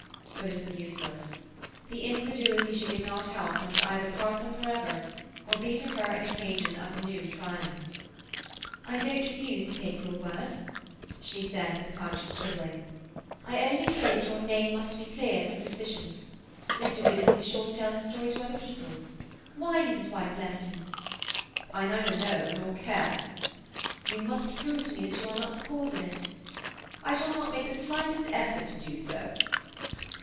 But it was useless. The incredulity she could not help must either part them for ever, or be to her an occasion of new triumph. "I don't refuse to take your word," she said, with conscious quibbling. "I only say that your name must be cleared from suspicion. Mr. Widdowson is sure to tell his story to other people. Why has his wife left him?" "I neither know nor care." "You must prove to me that you are not the cause of it." "I shall not make the slightest effort to do so."